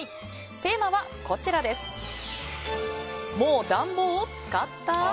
テーマは、もう暖房を使った？